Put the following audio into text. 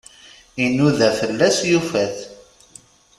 Inuda fell-as, yufa-t.